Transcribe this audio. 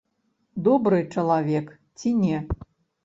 Добры чалавек ці не?